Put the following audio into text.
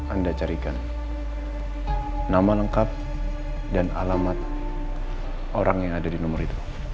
anda carikan nama lengkap dan alamat orang yang ada di nomor itu